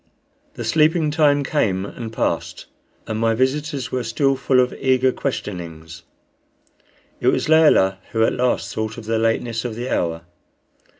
The sleeping time came and passed, and my visitors were still full of eager questionings. It was Layelah who at last thought of the lateness of the hour.